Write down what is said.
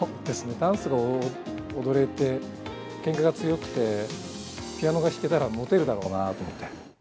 ダンスが踊れて、けんかが強くて、ピアノが弾けたらもてるだろうなと思って。